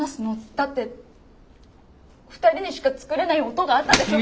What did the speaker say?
だって２人にしか作れない音があったでしょ？